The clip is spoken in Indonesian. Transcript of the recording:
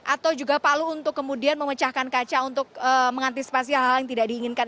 atau juga palu untuk kemudian memecahkan kaca untuk mengantisipasi hal hal yang tidak diinginkan